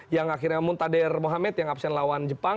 yang akhirnya muntader mohamed yang absen lawan jepang